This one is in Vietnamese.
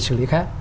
xử lý khác